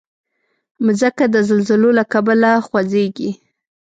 مځکه د زلزلو له کبله خوځېږي.